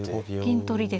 銀取りですね。